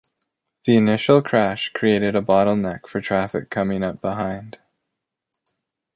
The initial crash created a bottleneck for traffic coming up behind.